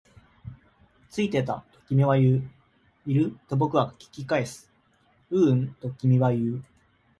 ついてた、と君は言う。いる？と僕は聞き返す。ううん、と君は言う。